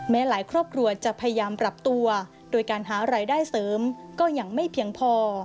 หลายครอบครัวจะพยายามปรับตัวโดยการหารายได้เสริมก็ยังไม่เพียงพอ